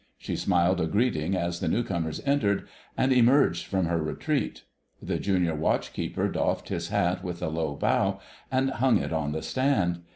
She smiled a greeting as the new comers entered, and emerged from her retreat. The Junior Watch keeper doffed his hat with a low bow and hung it on the stand.